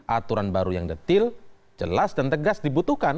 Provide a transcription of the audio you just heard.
aturan baru yang detil jelas dan tegas dibutuhkan